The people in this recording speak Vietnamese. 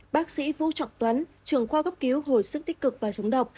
bác sĩ vũ trọng tuấn trường khoa cấp cứu hồi sức tích cực và chống độc